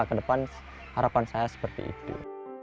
kedepan harapan saya seperti itu